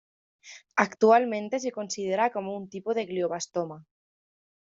Actualmente se considera como un tipo de glioblastoma.